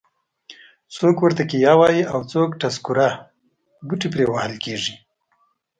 څوک ورته کیه وایي او څوک ټسکوره. بوټي پرې وهل کېږي.